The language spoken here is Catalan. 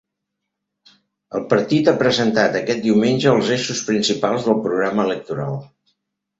El partit ha presentat aquest diumenge els eixos principals del programa electoral.